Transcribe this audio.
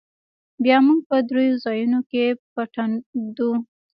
بيا موږ په درېو ځايونو کښې پټن ږدو.